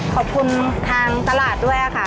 ขอบคุณทางตลาดด้วยค่ะ